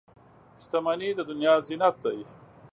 • شتمني د دنیا زینت دی.